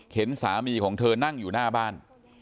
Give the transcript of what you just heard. เห็นสามีของเธอนั่งอยู่หน้าบ้าน